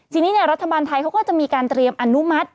ทีนี้รัฐบาลไทยเขาก็จะมีการเตรียมอนุมัติ